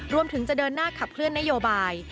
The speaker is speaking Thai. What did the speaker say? รวมถึงจะเดินหน้าขับเคลื่อนนโยบาย